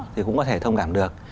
thì cũng có thể thông cảm được